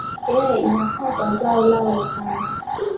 ee inafaa kwa zao lao la pamba